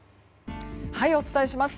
お伝えします。